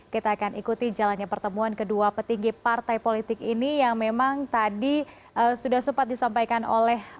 kita akan ikuti jalannya pertemuan kedua petinggi partai politik ini yang memang tadi sudah sempat disampaikan oleh